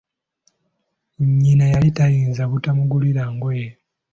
Nyina yali tayinza butamugulira ngoye .